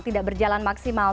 tidak berjalan maksimal